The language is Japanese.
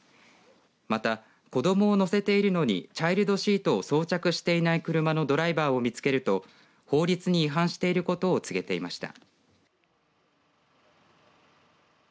また、子どもを乗せているのにチャイルドシートを装着していない車のドライバーを見つけると法律に違反していることを告げていました。